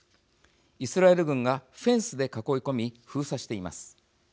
イスラエル軍がフェンスで囲い込み封鎖しています。